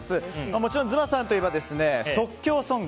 もちろん、ずまさんといえば即興ソング。